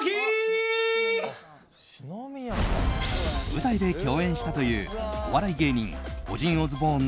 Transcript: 舞台で共演したというお笑い芸人オジン